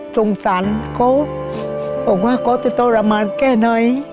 สงสารเขาบอกว่าเขาจะทรมานแค่ไหน